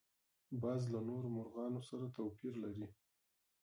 باز له نورو مرغانو سره توپیر لري